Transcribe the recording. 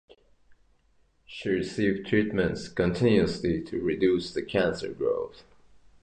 She received treatments continuously to reduce the cancer growth.